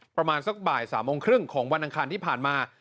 ประมาณสักบ่าย๓โมงครึ่งของวันอังคารที่ผ่านมา